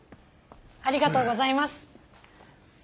ありがとうございます。